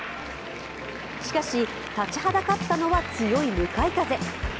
しかし、立ちはだかったのは強い向かい風。